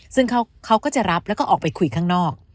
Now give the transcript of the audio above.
ซึ่งเขาก็จะรับแล้วก็ออกไปคุยข้างนอก